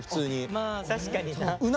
まあ確かにな。